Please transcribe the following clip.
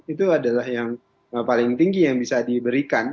itu adalah yang paling tinggi yang bisa diberikan